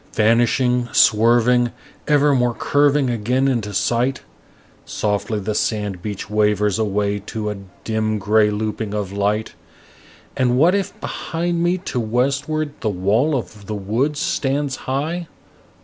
Vanishing, swerving, evermore curving again into sight, Softly the sand beach wavers away to a dim gray looping of light. And what if behind me to westward the wall of the woods stands high?